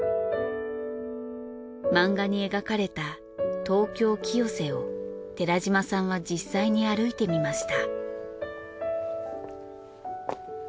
漫画に描かれた東京清瀬を寺島さんは実際に歩いてみました。